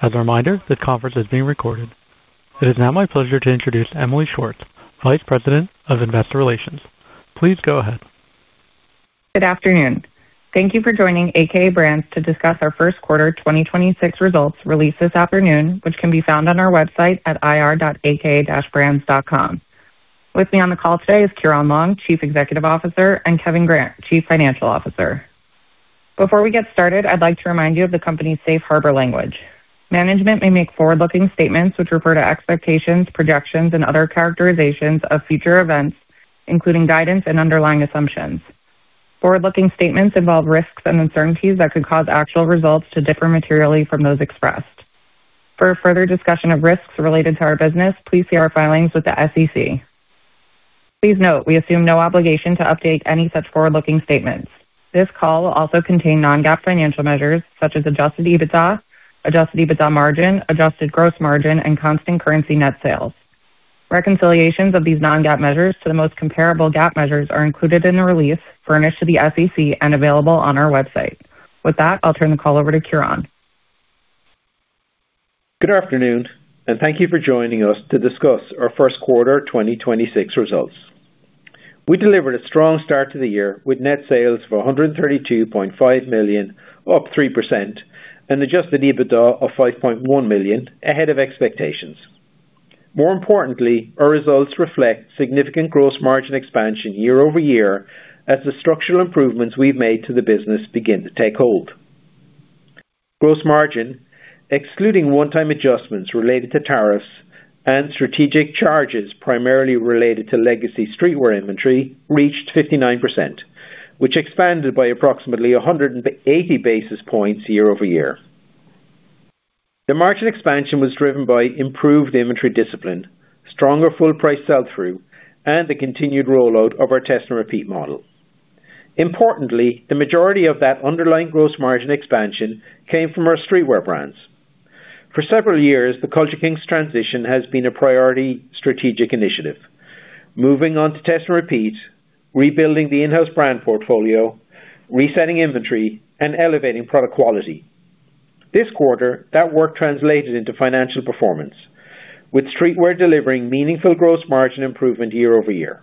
As a reminder, this conference is being recorded. It is now my pleasure to introduce Emily Schwartz, Vice President of Investor Relations. Please go ahead. Good afternoon. Thank you for joining a.k.a. Brands to discuss our first quarter 2026 results released this afternoon, which can be found on our website at ir.aka-brands.com. With me on the call today is Ciaran Long, Chief Executive Officer, and Kevin Grant, Chief Financial Officer. Before we get started, I'd like to remind you of the company's safe harbor language. Management may make forward-looking statements which refer to expectations, projections, and other characterizations of future events, including guidance and underlying assumptions. Forward-looking statements involve risks and uncertainties that could cause actual results to differ materially from those expressed. For a further discussion of risks related to our business, please see our filings with the SEC. Please note we assume no obligation to update any such forward-looking statements. This call will also contain non-GAAP financial measures such as Adjusted EBITDA, Adjusted EBITDA margin, Adjusted gross margin, and constant currency net sales. Reconciliations of these non-GAAP measures to the most comparable GAAP measures are included in the release furnished to the SEC and available on our website. With that, I'll turn the call over to Ciaran. Good afternoon, and thank you for joining us to discuss our first quarter 2026 results. We delivered a strong start to the year with net sales of $132.5 million, up 3%, and Adjusted EBITDA of $5.1 million ahead of expectations. More importantly, our results reflect significant gross margin expansion year-over-year as the structural improvements we've made to the business begin to take hold. Gross margin, excluding one-time adjustments related to tariffs and strategic charges primarily related to legacy streetwear inventory, reached 59%, which expanded by approximately 180 basis points year-over-year. The margin expansion was driven by improved inventory discipline, stronger full price sell-through, and the continued rollout of our test and repeat model. Importantly, the majority of that underlying gross margin expansion came from our streetwear brands. For several years, the Culture Kings transition has been a priority strategic initiative, moving on to test and repeat, rebuilding the in-house brand portfolio, resetting inventory, and elevating product quality. This quarter, that work translated into financial performance, with streetwear delivering meaningful gross margin improvement year-over-year.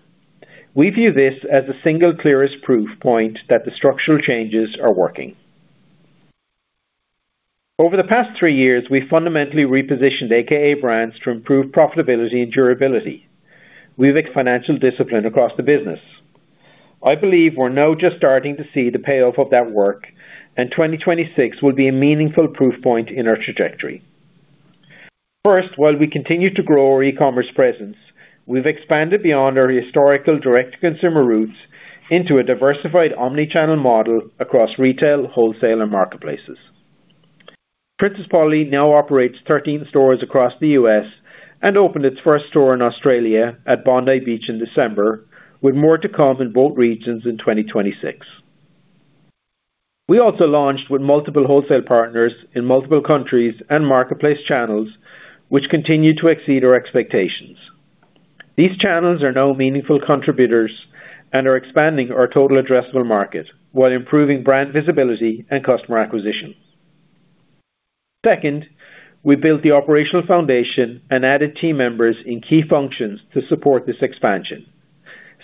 We view this as the single clearest proof point that the structural changes are working. Over the past three years, we fundamentally repositioned a.k.a. Brands to improve profitability and durability. We've financial discipline across the business. I believe we're now just starting to see the payoff of that work, and 2026 will be a meaningful proof point in our trajectory. First, while we continue to grow our e-commerce presence, we've expanded beyond our historical direct-to-consumer roots into a diversified omni-channel model across retail, wholesale, and marketplaces. Princess Polly now operates 13 stores across the U.S. and opened its first store in Australia at Bondi Beach in December, with more to come in both regions in 2026. We also launched with multiple wholesale partners in multiple countries and marketplace channels, which continue to exceed our expectations. These channels are now meaningful contributors and are expanding our total addressable market while improving brand visibility and customer acquisition. Second, we built the operational foundation and added team members in key functions to support this expansion,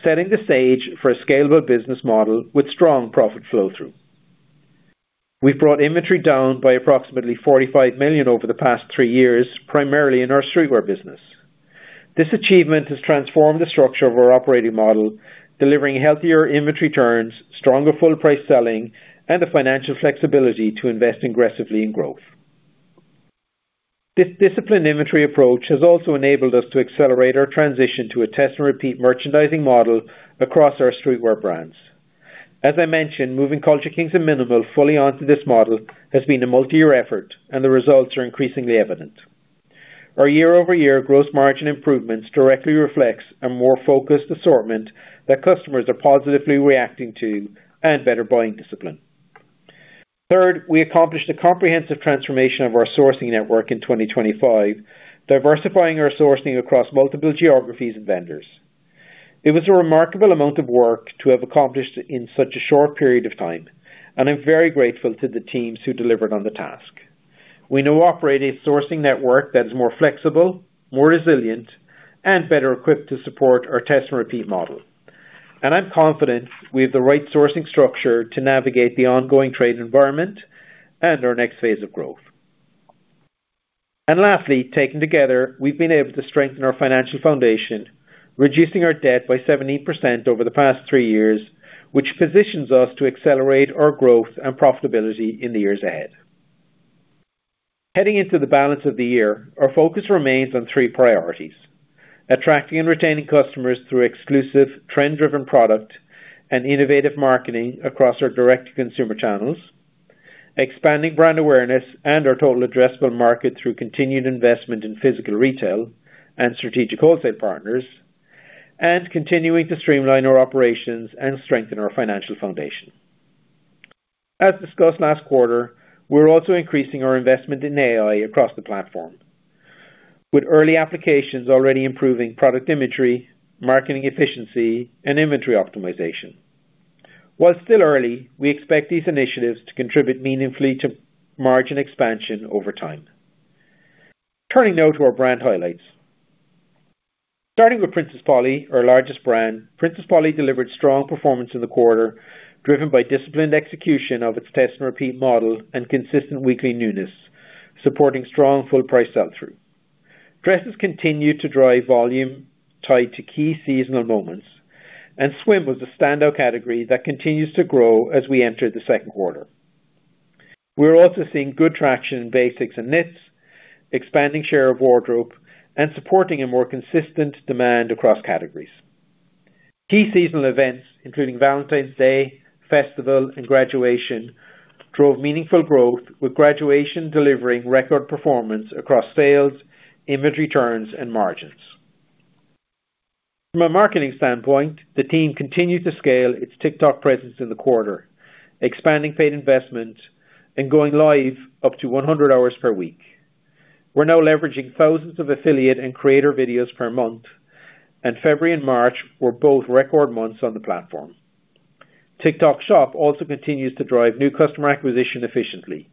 setting the stage for a scalable business model with strong profit flow through. We've brought inventory down by approximately $45 million over the past three years, primarily in our streetwear business. This achievement has transformed the structure of our operating model, delivering healthier inventory turns, stronger full-price selling, and the financial flexibility to invest aggressively in growth. This disciplined inventory approach has also enabled us to accelerate our transition to a test and repeat merchandising model across our streetwear brands. As I mentioned, moving Culture Kings and mnml fully onto this model has been a multi-year effort, and the results are increasingly evident. Our year-over-year gross margin improvements directly reflects a more focused assortment that customers are positively reacting to and better buying discipline. Third, we accomplished a comprehensive transformation of our sourcing network in 2025, diversifying our sourcing across multiple geographies and vendors. It was a remarkable amount of work to have accomplished in such a short period of time, and I'm very grateful to the teams who delivered on the task. We now operate a sourcing network that is more flexible, more resilient, and better equipped to support our test and repeat model. I'm confident we have the right sourcing structure to navigate the ongoing trade environment and our next phase of growth. Lastly, taken together, we've been able to strengthen our financial foundation, reducing our debt by 17% over the past three years, which positions us to accelerate our growth and profitability in the years ahead. Heading into the balance of the year, our focus remains on three priorities. Attracting and retaining customers through exclusive trend-driven product and innovative marketing across our direct-to-consumer channels. Expanding brand awareness and our total addressable market through continued investment in physical retail and strategic wholesale partners. Continuing to streamline our operations and strengthen our financial foundation. As discussed last quarter, we're also increasing our investment in AI across the platform. With early applications already improving product imagery, marketing efficiency, and inventory optimization. While still early, we expect these initiatives to contribute meaningfully to margin expansion over time. Turning now to our brand highlights. Starting with Princess Polly, our largest brand, Princess Polly delivered strong performance in the quarter, driven by disciplined execution of its test and repeat model and consistent weekly newness, supporting strong full price sell-through. Dresses continued to drive volume tied to key seasonal moments, and swim was a standout category that continues to grow as we enter the second quarter. We're also seeing good traction in basics and knits, expanding share of wardrobe, and supporting a more consistent demand across categories. Key seasonal events, including Valentine's Day, festival, and graduation, drove meaningful growth with graduation delivering record performance across sales, inventory turns, and margins. From a marketing standpoint, the team continued to scale its TikTok presence in the quarter, expanding paid investment and going live up to 100 hours per week. We're now leveraging thousands of affiliate and creator videos per month, and February and March were both record months on the platform. TikTok Shop also continues to drive new customer acquisition efficiently,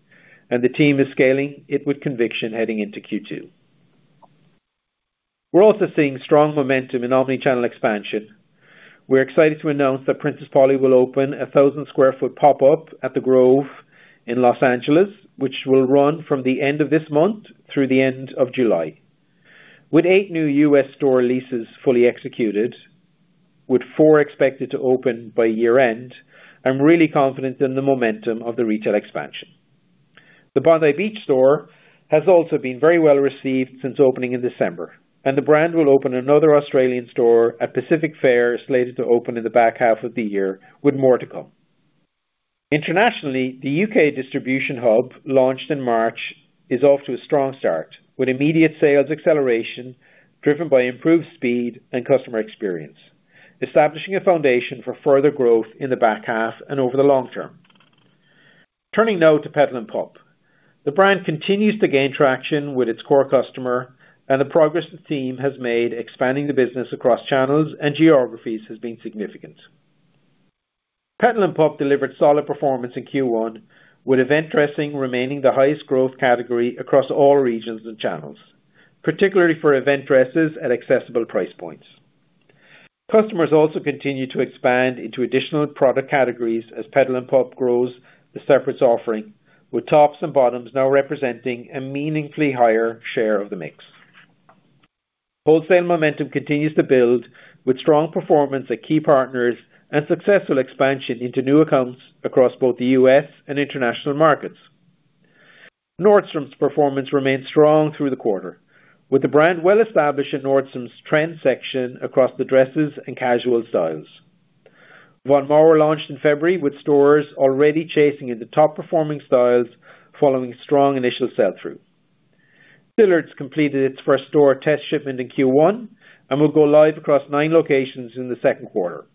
and the team is scaling it with conviction heading into Q2. We're also seeing strong momentum in omni-channel expansion. We're excited to announce that Princess Polly will open a 1,000 square foot pop-up at The Grove in Los Angeles, which will run from the end of this month through the end of July. With eight new U.S. store leases fully executed, with four expected to open by year-end, I'm really confident in the momentum of the retail expansion. The Bondi Beach store has also been very well received since opening in December, and the brand will open another Australian store at Pacific Fair, slated to open in the back half of the year, with more to come. Internationally, the U.K. distribution hub launched in March is off to a strong start with immediate sales acceleration driven by improved speed and customer experience, establishing a foundation for further growth in the back half and over the long term. Turning now to Petal & Pup. The brand continues to gain traction with its core customer, and the progress the team has made expanding the business across channels and geographies has been significant. Petal & Pup delivered solid performance in Q1, with event dressing remaining the highest growth category across all regions and channels, particularly for event dresses at accessible price points. Customers also continue to expand into additional product categories as Petal & Pup grows the separates offering, with tops and bottoms now representing a meaningfully higher share of the mix. Wholesale momentum continues to build with strong performance at key partners and successful expansion into new accounts across both the U.S. and international markets. Nordstrom's performance remained strong through the quarter, with the brand well-established in Nordstrom's trend section across the dresses and casual styles. Von Maur launched in February with stores already chasing in the top-performing styles following strong initial sell-through. Dillard's completed its first store test shipment in Q1 and will go live across nine locations in the second quarter.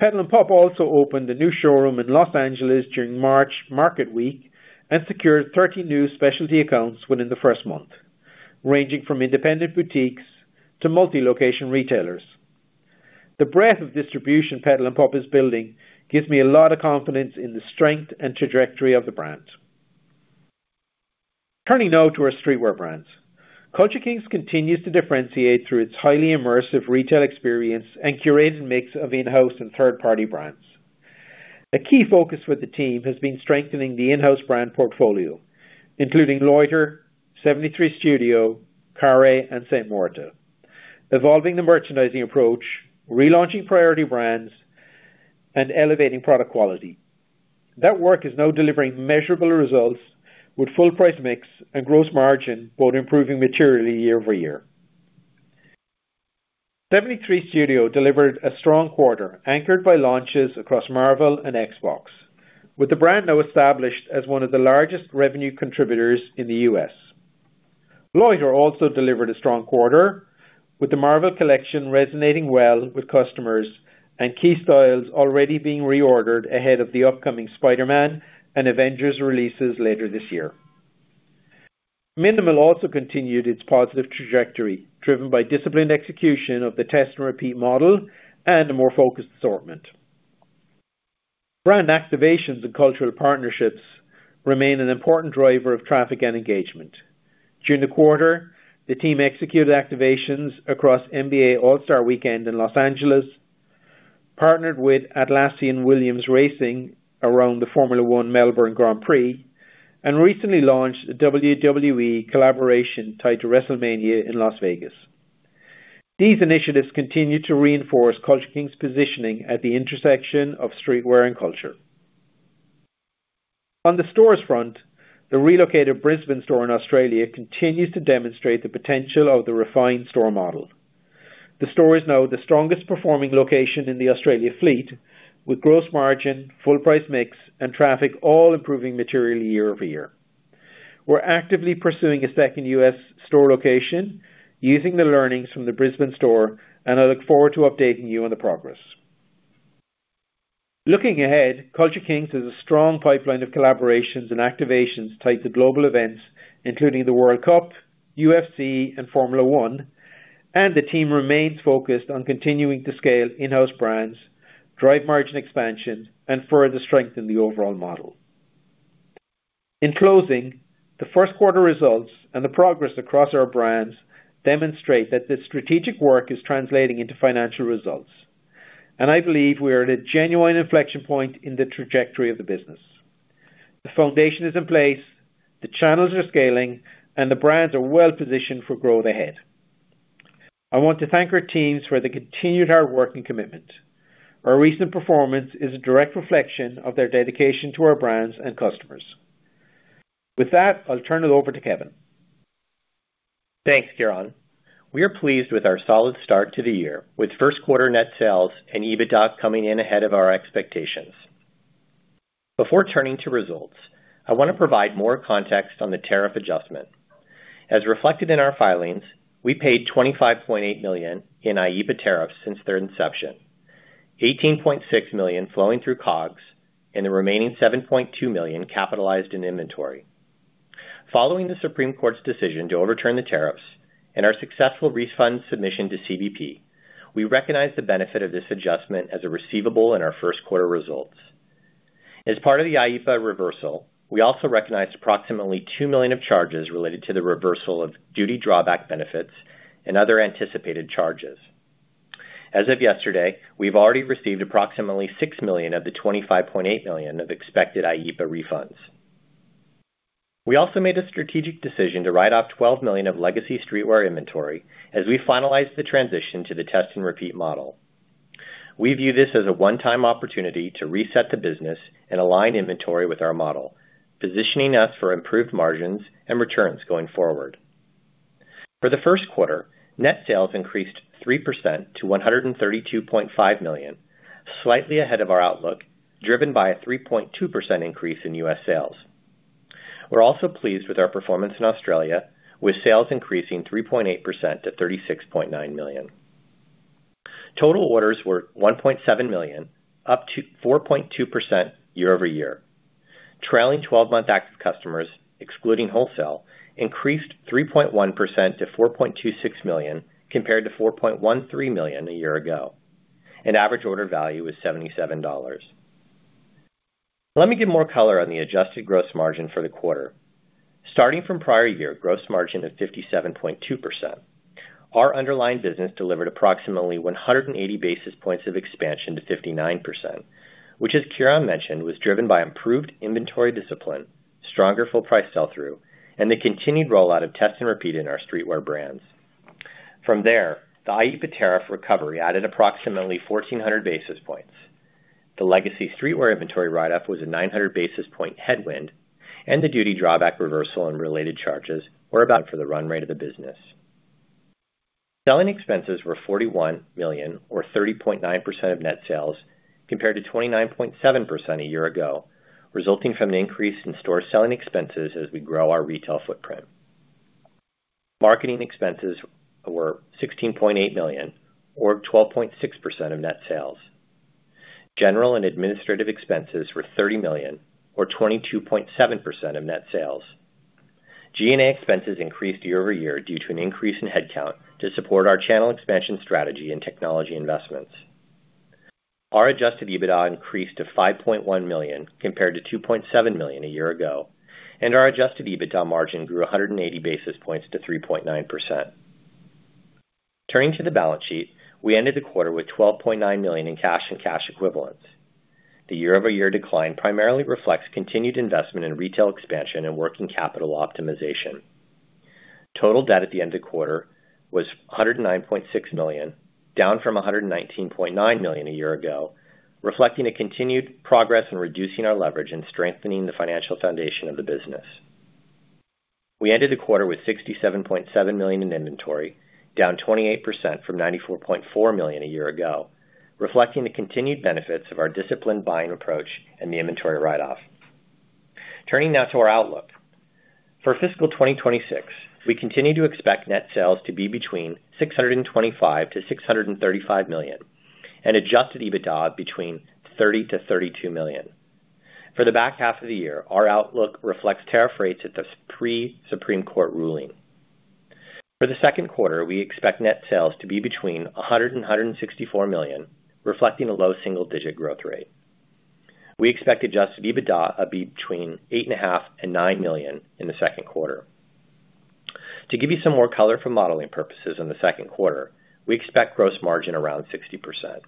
Petal & Pup also opened a new showroom in Los Angeles during March market week and secured 13 new specialty accounts within the first month, ranging from independent boutiques to multi-location retailers. The breadth of distribution Petal & Pup is building gives me a lot of confidence in the strength and trajectory of the brand. Turning now to our streetwear brands. Culture Kings continues to differentiate through its highly immersive retail experience and curated mix of in-house and third-party brands. A key focus with the team has been strengthening the in-house brand portfolio, including Loiter, 73Studio, Carré, and Saint Morta, evolving the merchandising approach, relaunching priority brands, and elevating product quality. That work is now delivering measurable results with full price mix and gross margin both improving materially year-over-year. 73Studio delivered a strong quarter anchored by launches across Marvel and Xbox, with the brand now established as one of the largest revenue contributors in the U.S. Loiter also delivered a strong quarter, with the Marvel collection resonating well with customers and key styles already being reordered ahead of the upcoming Spider-Man and Avengers releases later this year. mnml also continued its positive trajectory, driven by disciplined execution of the test and repeat model and a more focused assortment. Brand activations and cultural partnerships remain an important driver of traffic and engagement. During the quarter, the team executed activations across NBA All-Star Weekend in Los Angeles, partnered with Atlassian Williams Racing around the Formula One Melbourne Grand Prix, and recently launched a WWE collaboration tied to WrestleMania in Las Vegas. These initiatives continue to reinforce Culture Kings' positioning at the intersection of streetwear and culture. On the stores front, the relocated Brisbane store in Australia continues to demonstrate the potential of the refined store model. The store is now the strongest performing location in the Australia fleet, with gross margin, full price mix, and traffic all improving materially year-over-year. We're actively pursuing a second U.S. store location using the learnings from the Brisbane store, and I look forward to updating you on the progress. Looking ahead, Culture Kings has a strong pipeline of collaborations and activations tied to global events, including the World Cup, UFC, and Formula One, and the team remains focused on continuing to scale in-house brands, drive margin expansion, and further strengthen the overall model. In closing, the first quarter results and the progress across our brands demonstrate that the strategic work is translating into financial results, and I believe we are at a genuine inflection point in the trajectory of the business. The foundation is in place, the channels are scaling, and the brands are well-positioned for growth ahead. I want to thank our teams for the continued hard work and commitment. Our recent performance is a direct reflection of their dedication to our brands and customers. With that, I'll turn it over to Kevin. Thanks, Ciaran. We are pleased with our solid start to the year, with first quarter net sales and EBITDA coming in ahead of our expectations. Before turning to results, I want to provide more context on the tariff adjustment. As reflected in our filings, we paid $25.8 million in IEEPA tariffs since their inception, $18.6 million flowing through COGS, and the remaining $7.2 million capitalized in inventory. Following the Supreme Court's decision to overturn the tariffs and our successful refund submission to CBP, we recognize the benefit of this adjustment as a receivable in our first quarter results. As part of the IEEPA reversal, we also recognized approximately $2 million of charges related to the reversal of duty drawback benefits and other anticipated charges. As of yesterday, we've already received approximately $6 million of the $25.8 million of expected IEEPA refunds. We also made a strategic decision to write off $12 million of legacy streetwear inventory as we finalized the transition to the test and repeat model. We view this as a one-time opportunity to reset the business and align inventory with our model, positioning us for improved margins and returns going forward. For the first quarter, net sales increased 3% to $132.5 million, slightly ahead of our outlook, driven by a 3.2% increase in U.S. sales. We're also pleased with our performance in Australia, with sales increasing 3.8% to $36.9 million. Total orders were 1.7 million, up to 4.2% year-over-year. Trailing twelve-month active customers, excluding wholesale, increased 3.1% to 4.26 million compared to 4.13 million a year ago, and average order value was $77. Let me give more color on the Adjusted gross margin for the quarter. Starting from prior year gross margin of 57.2%, our underlying business delivered approximately 180 basis points of expansion to 59%, which, as Ciaran mentioned, was driven by improved inventory discipline, stronger full price sell-through, and the continued rollout of test and repeat in our streetwear brands. From there, the IEEPA tariff recovery added approximately 1,400 basis points. The legacy streetwear inventory write off was a 900 basis point headwind, and the duty drawback reversal and related charges were about for the run rate of the business. Selling expenses were $41 million or 30.9% of net sales compared to 29.7% a year ago, resulting from an increase in store selling expenses as we grow our retail footprint. Marketing expenses were $16.8 million or 12.6% of net sales. General and administrative expenses were $30 million or 22.7% of net sales. G&A expenses increased year-over-year due to an increase in headcount to support our channel expansion strategy and technology investments. Our Adjusted EBITDA increased to $5.1 million compared to $2.7 million a year ago. Our Adjusted EBITDA margin grew 180 basis points to 3.9%. Turning to the balance sheet, we ended the quarter with $12.9 million in cash and cash equivalents. The year-over-year decline primarily reflects continued investment in retail expansion and working capital optimization. Total debt at the end of the quarter was $109.6 million, down from $119.9 million a year ago, reflecting a continued progress in reducing our leverage and strengthening the financial foundation of the business. We ended the quarter with $67.7 million in inventory, down 28% from $94.4 million a year ago, reflecting the continued benefits of our disciplined buying approach and the inventory write-off. Turning now to our outlook. For fiscal 2026, we continue to expect net sales to be between $625 million-$635 million and Adjusted EBITDA between $30 million-$32 million. For the back half of the year, our outlook reflects tariff rates at the pre-Supreme Court ruling. For the second quarter, we expect net sales to be between $100 million and $164 million, reflecting a low single-digit growth rate. We expect Adjusted EBITDA to be between $8.5 million and $9 million in the second quarter. To give you some more color for modeling purposes in the second quarter, we expect gross margin around 60%.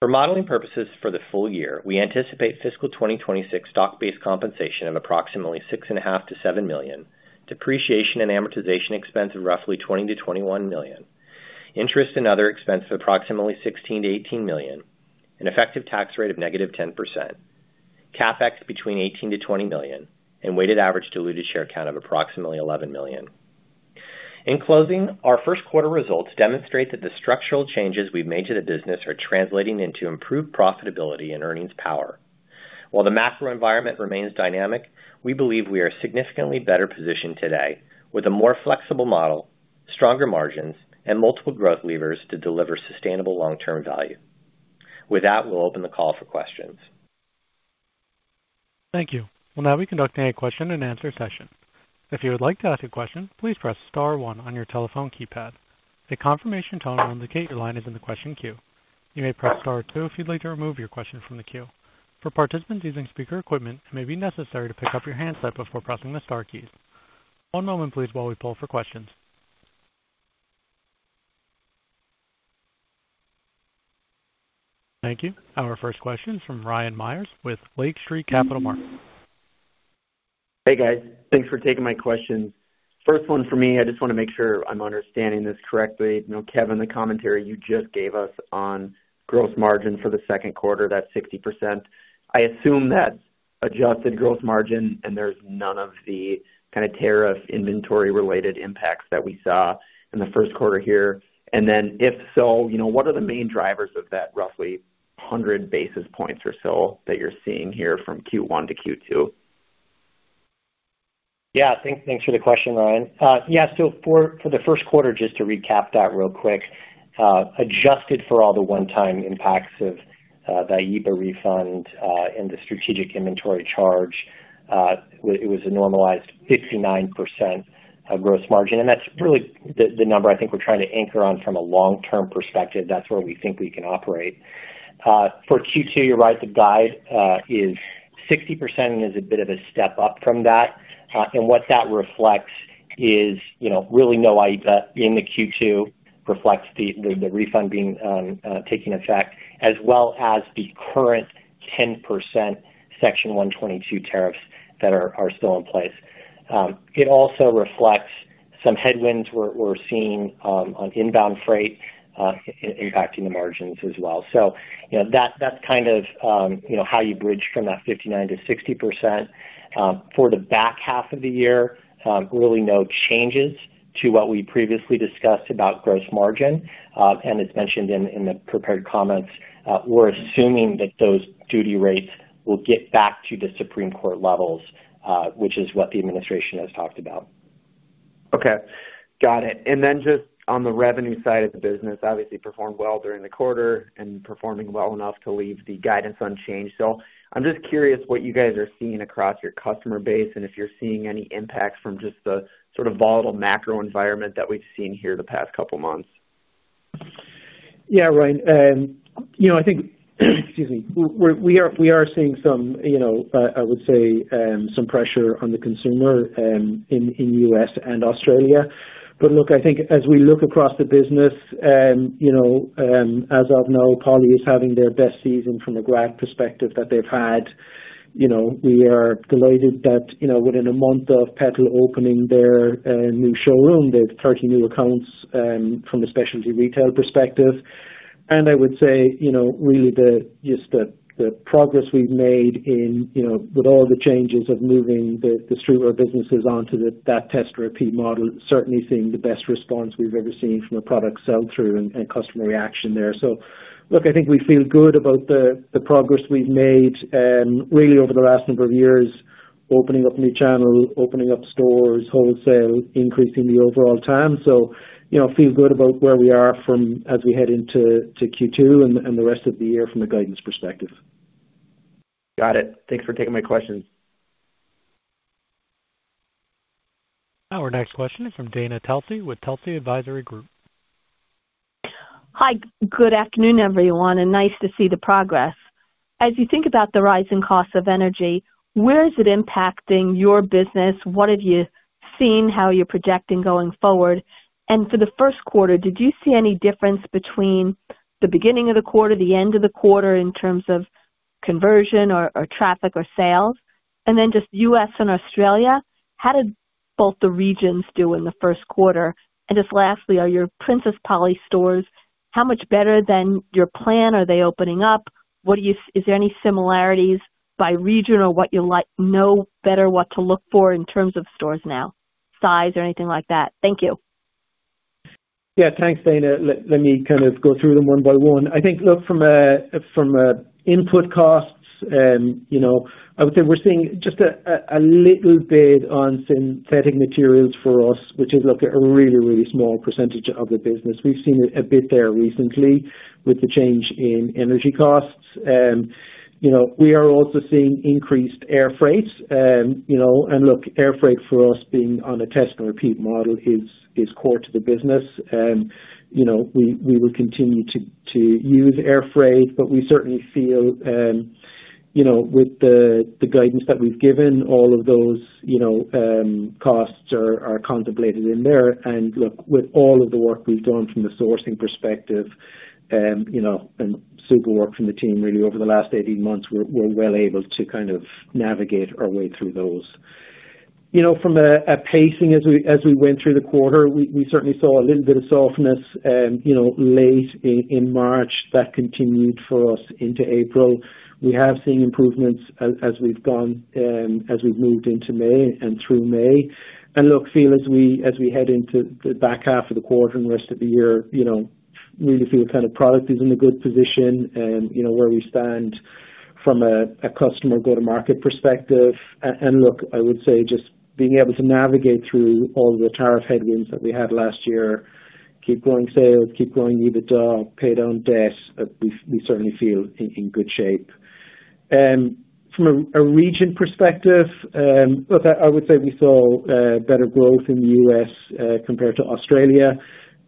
For modeling purposes for the full year, we anticipate fiscal 2026 stock-based compensation of approximately $6.5 million-$7 million, depreciation and amortization expense of roughly $20 million-$21 million, interest and other expense of approximately $16 million-$18 million, an effective tax rate of negative 10%, CapEx between $18 million-$20 million, and weighted average diluted share count of approximately 11 million. In closing, our first quarter results demonstrate that the structural changes we've made to the business are translating into improved profitability and earnings power. While the macro environment remains dynamic, we believe we are significantly better positioned today with a more flexible model, stronger margins and multiple growth levers to deliver sustainable long-term value. With that, we'll open the call for questions. Thank you. We'll now be conducting a question-and-answer session. Thank you. Our first question is from Ryan Meyers with Lake Street Capital Markets. Hey, guys. Thanks for taking my questions. First one for me, I just want to make sure I'm understanding this correctly. You know, Kevin, the commentary you just gave us on gross margin for the second quarter, that 60%, I assume that's Adjusted gross margin and there's none of the kind of tariff inventory related impacts that we saw in the first quarter here. Then if so, you know, what are the main drivers of that roughly 100 basis points or so that you're seeing here from Q1 to Q2? Thanks for the question, Ryan. For the first quarter, just to recap that real quick, adjusted for all the one-time impacts of the IEEPA refund and the strategic inventory charge, it was a normalized 59% of gross margin. That's really the number I think we're trying to anchor on from a long-term perspective. That's where we think we can operate. For Q2, you're right. The guide is 60% and is a bit of a step up from that. What that reflects is really no IEEPA in the Q2, reflects the refund being taking effect as well as the current 10% Section 122 tariffs that are still in place. It also reflects some headwinds we're seeing on inbound freight, impacting the margins as well. You know, that's kind of, you know, how you bridge from that 59%-60%. For the back half of the year, really no changes to what we previously discussed about gross margin. As mentioned in the prepared comments, we're assuming that those duty rates will get back to the Supreme Court levels, which is what the administration has talked about. Okay. Got it. Just on the revenue side of the business, obviously performed well during the quarter and performing well enough to leave the guidance unchanged. I'm just curious what you guys are seeing across your customer base, and if you're seeing any impact from just the sort of volatile macro environment that we've seen here the past couple months. Yeah, Ryan. I think, excuse me, we are seeing some, I would say, some pressure on the consumer, in U.S. and Australia. Look, I think as we look across the business, as of now, Princess Polly is having their best season from a graph perspective that they've had. We are delighted that, within a month of Petal & Pup opening their new showroom, they've 30 new accounts from a specialty retail perspective. I would say, really just the progress we've made in with all the changes of moving the streetwear businesses onto that test and repeat model, certainly seeing the best response we've ever seen from a product sell through and customer reaction there. Look, I think we feel good about the progress we've made, really over the last number of years, opening up new channels, opening up stores, wholesale, increasing the overall TAM. You know, feel good about where we are from as we head into Q2 and the rest of the year from a guidance perspective. Got it. Thanks for taking my questions. Our next question is from Dana Telsey with Telsey Advisory Group. Hi. Good afternoon, everyone. Nice to see the progress. As you think about the rising cost of energy, where is it impacting your business? What have you seen, how you're projecting going forward? For the first quarter, did you see any difference between the beginning of the quarter, the end of the quarter in terms of conversion or traffic or sales? Just U.S. and Australia, how did both the regions do in the first quarter? Just lastly, are your Princess Polly stores, how much better than your plan are they opening up? Is there any similarities by region or what you know better what to look for in terms of stores now, size or anything like that? Thank you. Yeah. Thanks, Dana. Let me kind of go through them one by one. I think, look, from a, from a input costs, you know, I would say we're seeing just a little bit on synthetic materials for us, which is, look, a really, really small percentage of the business. We've seen a bit there recently with the change in energy costs. You know, we are also seeing increased air freight. You know, look, air freight for us being on a test and repeat model is core to the business. You know, we will continue to use air freight, but we certainly feel, you know, with the guidance that we've given, all of those, you know, costs are contemplated in there. Look, with all of the work we've done from the sourcing perspective, you know, and super work from the team really over the last 18 months, we're well able to kind of navigate our way through those. You know, from a pacing as we went through the quarter, we certainly saw a little bit of softness, you know, late in March. That continued for us into April. We have seen improvements as we've gone, as we've moved into May and through May. Look, feel as we head into the back half of the quarter and the rest of the year, Really feel kind of product is in a good position and, you know, where we stand from a customer go-to-market perspective. Look, I would say being able to navigate through all the tariff headwinds that we had last year, keep growing sales, keep growing EBITDA, pay down debt. We certainly feel in good shape. From a region perspective, look, I would say we saw better growth in the U.S. compared to Australia.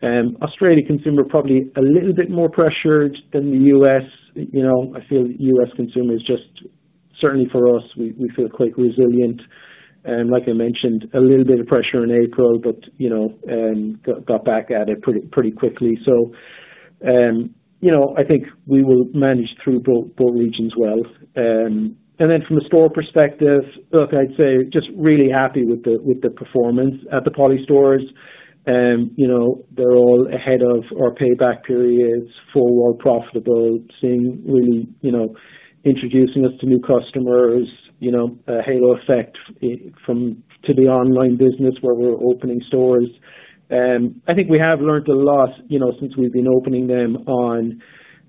Australia consumer probably a little bit more pressured than the U.S. You know, I feel the U.S. consumer is certainly for us, we feel quite resilient. Like I mentioned, a little bit of pressure in April, but, you know, got back at it pretty quickly. You know, I think we will manage through both regions well. From a store perspective, look, I'd say really happy with the performance at the Polly stores. You know, they're all ahead of our payback periods for profitable, seeing really, you know, introducing us to new customers, you know, a halo effect to the online business where we're opening stores. I think we have learned a lot, you know, since we've been opening them on,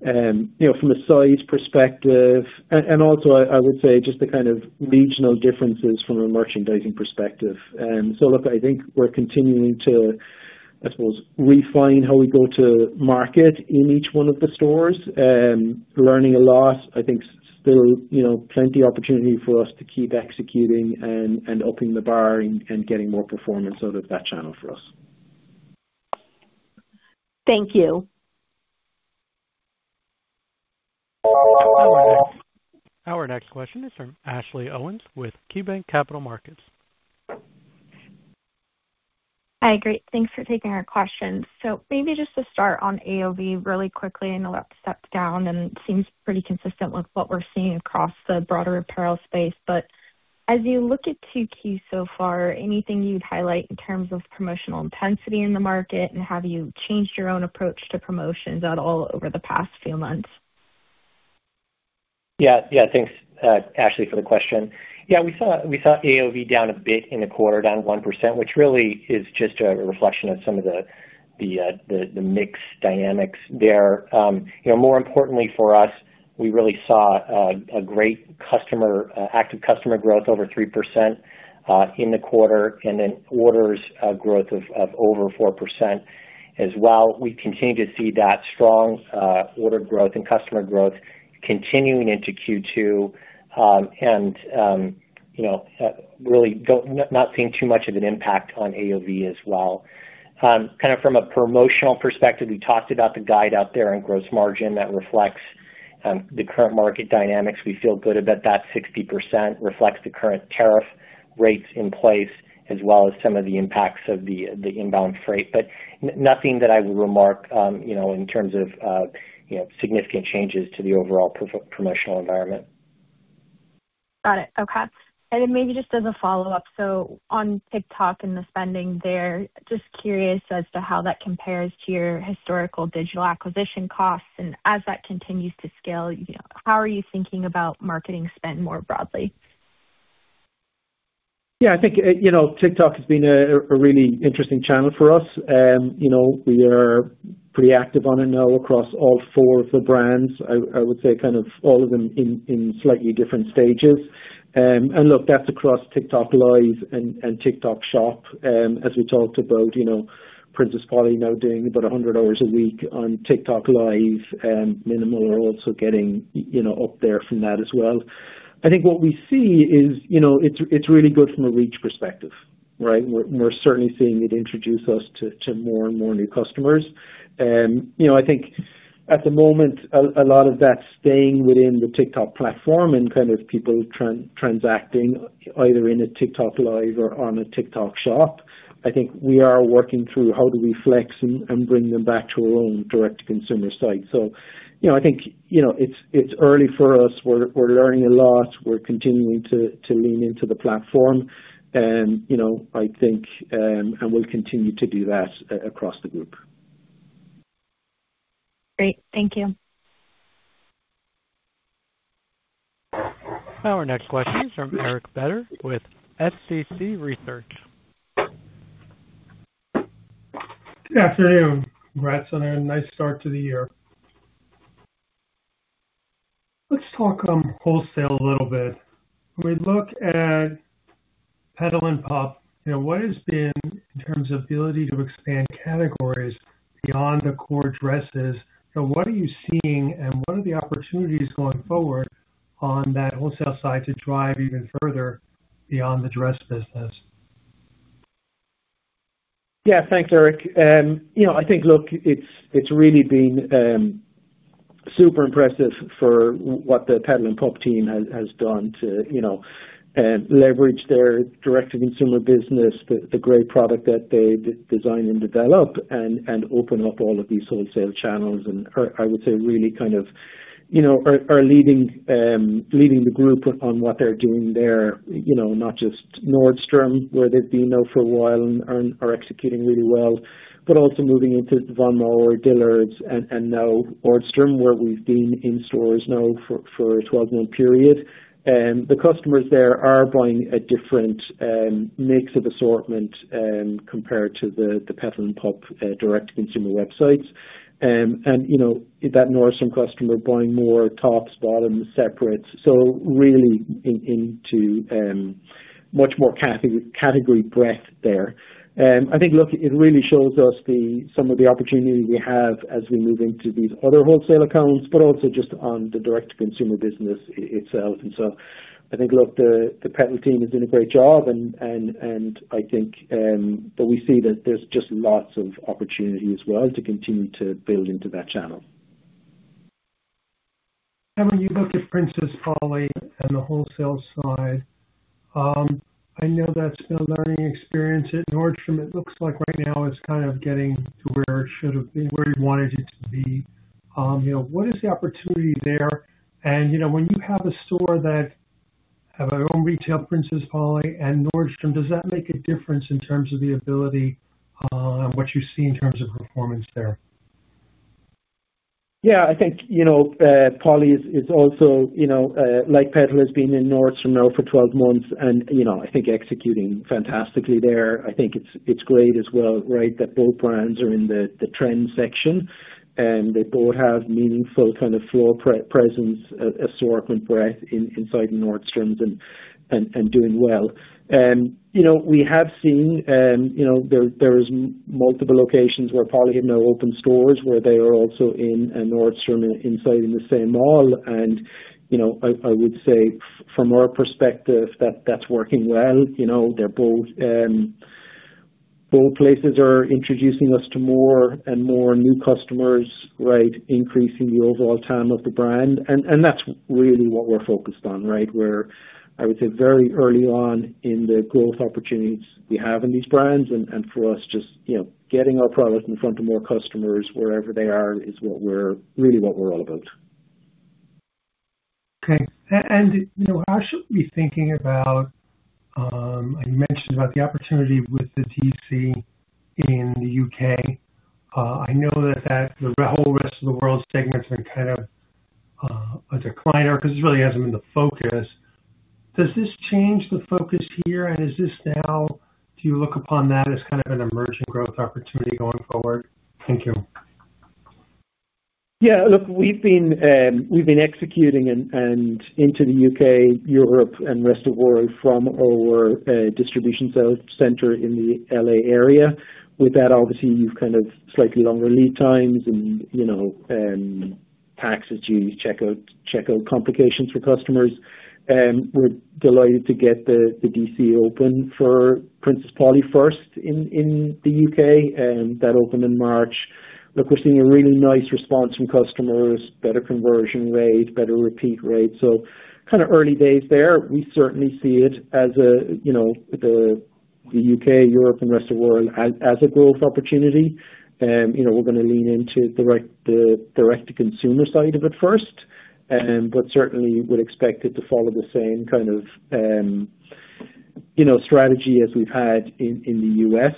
you know, from a size perspective and also I would say just the kind of regional differences from a merchandising perspective. Look, I think we're continuing to, I suppose, refine how we go to market in each one of the stores. Learning a lot. I think still, you know, plenty opportunity for us to keep executing and upping the bar and getting more performance out of that channel for us. Thank you. Our next question is from Ashley Owens with KeyBanc Capital Markets. Hi. Great. Thanks for taking our questions. Maybe just to start on AOV really quickly. I know that stepped down, and it seems pretty consistent with what we're seeing across the broader apparel space. As you look at Q2 so far, anything you'd highlight in terms of promotional intensity in the market? Have you changed your own approach to promotions at all over the past few months? Yeah. Yeah. Thanks, Ashley, for the question. We saw AOV down a bit in the quarter, down 1%, which really is just a reflection of some of the mix dynamics there. You know, more importantly for us, we really saw a great customer, active customer growth over 3% in the quarter, and then orders growth of over 4% as well. We continue to see that strong order growth and customer growth continuing into Q2. You know, really not seeing too much of an impact on AOV as well. Kind of from a promotional perspective, we talked about the guide out there and gross margin that reflects the current market dynamics. We feel good about that 60% reflects the current tariff rates in place as well as some of the impacts of the inbound freight. Nothing that I would remark, you know, in terms of, you know, significant changes to the overall promotional environment. Got it. Okay. Maybe just as a follow-up, on TikTok and the spending there, just curious as to how that compares to your historical digital acquisition costs? As that continues to scale, you know, how are you thinking about marketing spend more broadly? Yeah. I think, you know, TikTok has been a really interesting channel for us. You know, we are pretty active on it now across all four of the brands. I would say kind of all of them in slightly different stages. And look, that's across TikTok Live and TikTok Shop. As we talked about, you know, Princess Polly now doing about 100 hours a week on TikTok Live, mnml are also getting, you know, up there from that as well. I think what we see is, you know, it's really good from a reach perspective, right? We're certainly seeing it introduce us to more and more new customers. You know, I think at the moment, a lot of that's staying within the TikTok platform and kind of people transacting either in a TikTok LIVE or on a TikTok Shop. I think we are working through how do we flex and bring them back to our own direct-to-consumer site. You know, I think, you know, it's early for us. We're learning a lot. We're continuing to lean into the platform, you know, I think, and we'll continue to do that across the group. Great. Thank you. Our next question is from Eric Beder with SCC Research. Good afternoon. Congrats on a nice start to the year. Let's talk on wholesale a little bit. When we look at Petal & Pup, you know, what has been in terms of ability to expand categories beyond the core dresses? What are you seeing, and what are the opportunities going forward on that wholesale side to drive even further beyond the dress business? Thanks, Eric. I think, look, it's really been super impressive for what the Petal & Pup team has done to leverage their direct-to-consumer business, the great product that they design and develop and open up all of these wholesale channels. I would say, really kind of, you know, are leading the group on what they're doing there. Not just Nordstrom, where they've been now for a while and are executing really well, but also moving into Von Maur, Dillard's, and now Nordstrom, where we've been in stores now for a 12-month period. The customers there are buying a different mix of assortment compared to the Petal & Pup direct-to-consumer websites. You know, that Nordstrom customer buying more tops, bottoms, separates, so really into much more category breadth there. I think, look, it really shows us some of the opportunity we have as we move into these other wholesale accounts, but also just on the direct-to-consumer business itself. I think, look, the Petal team has done a great job and I think we see that there's just lots of opportunity as well to continue to build into that channel. When you look at Princess Polly on the wholesale side, I know that's been a learning experience at Nordstrom. It looks like right now it's kind of getting to where it should have been, where you wanted it to be. You know, what is the opportunity there? You know, when you have a store that have their own retail, Princess Polly and Nordstrom, does that make a difference in terms of the ability, what you see in terms of performance there? I think, you know, Polly is also, you know, like Petal, has been in Nordstrom now for 12 months and, you know, I think executing fantastically there. I think it's great as well, right, that both brands are in the trends section. They both have meaningful kind of floor presence, assortment breadth inside Nordstrom and doing well. You know, we have seen, you know, there is multiple locations where Polly have now opened stores where they are also in a Nordstrom inside in the same mall and, you know, I would say from our perspective that that's working well. Both places are introducing us to more and more new customers, right? Increasing the overall time of the brand. That's really what we're focused on, right? We're, I would say, very early on in the growth opportunities we have in these brands and for us just, you know, getting our product in front of more customers wherever they are is really what we're all about. Okay. You know, how should we be thinking about, and you mentioned about the opportunity with the D.C. in the U.K. I know that the whole rest of the world segment's been kind of a decliner because it really hasn't been the focus. Does this change the focus here? Is this now Do you look upon that as kind of an emerging growth opportunity going forward? Thank you. Yeah. Look, we've been executing and into the U.K., Europe, and rest of world from our distribution sale center in the L.A. area. With that, obviously, you've kind of slightly longer lead times and, you know, taxes, duty, checkout complications for customers. We're delighted to get the D.C. open for Princess Polly first in the U.K., that opened in March. Look, we're seeing a really nice response from customers, better conversion rate, better repeat rate. Kinda early days there. We certainly see it as a, you know, the U.K., Europe, and rest of world as a growth opportunity. You know, we're gonna lean into the direct-to-consumer side of it first but certainly would expect it to follow the same kind of you know, strategy as we've had in the U.S.,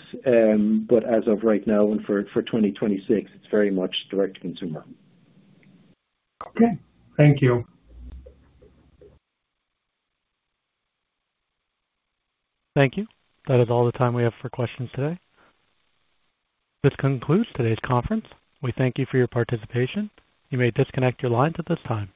but as of right now and for 2026, it's very much direct-to-consumer. Okay. Thank you. Thank you. That is all the time we have for questions today. This concludes today's conference. We thank you for your participation. You may disconnect your lines at this time.